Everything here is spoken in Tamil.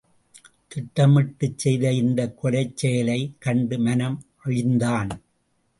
திட்டமிட்டுச் செய்த இந்தக் கொலைச் செயலைக் கண்டு மனம் அழிந்தான்.